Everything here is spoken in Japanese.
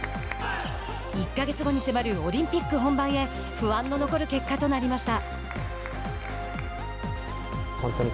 １か月後に迫るオリンピック本番へ不安の残る結果となりました。